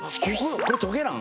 これトゲなの？